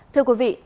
thưa quý vị